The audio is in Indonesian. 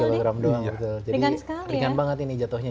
iya jadi ringan banget ini jatuhnya